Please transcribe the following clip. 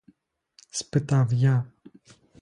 — спитав я.